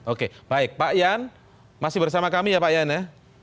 oke baik pak yan masih bersama kami ya pak yan ya